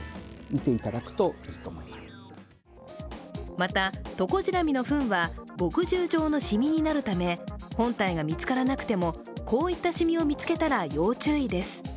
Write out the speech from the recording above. また、トコジラミのふんは墨汁状のシミになるため本体が見つからなくてもこういったシミを見つけたら要注意です。